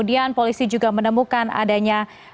yang ditemukan adanya